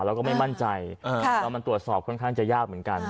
เราก็ไม่มั่นใจว่ามันตรวจสอบค่อนข้างจะยากเหมือนกัน